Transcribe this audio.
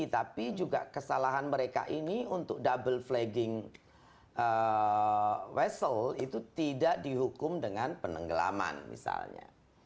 tapi juga kesalahan mereka ini untuk double flagging wessel itu tidak dihukum dengan penenggelaman misalnya